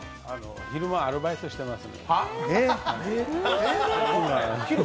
昼間はアルバイトしてます。